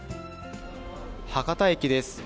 博多駅です。